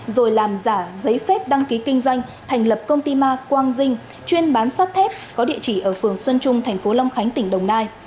rồi làm giả giấy phép đăng ký kinh doanh thành lập công ty ma quang dinh chuyên bán sắt thép có địa chỉ ở phường xuân trung thành phố long khánh tỉnh đồng nai